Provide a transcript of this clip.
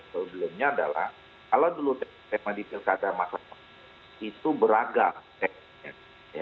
sebelumnya adalah kalau dulu tema di pilkada itu beragam